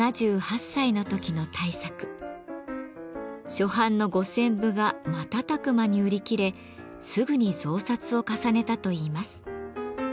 初版の５，０００部が瞬く間に売り切れすぐに増刷を重ねたといいます。